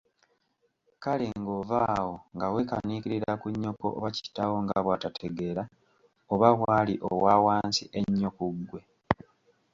Kale ng'ova awo nga weekaniikiririra ku nnyoko oba kitaawo nga bwatategeera, oba bwali owa wansi ennyo ku ggwe?